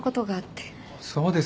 そうですか。